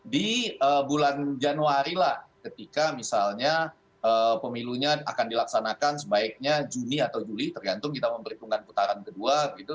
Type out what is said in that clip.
di bulan januari lah ketika misalnya pemilunya akan dilaksanakan sebaiknya juni atau juli tergantung kita memperhitungan putaran kedua gitu